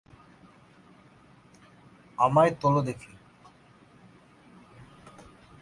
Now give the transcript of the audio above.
আমায় তোলো দেখি।